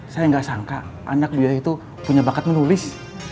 saya gak sangka anak bu yoyo itu punya bakat menulis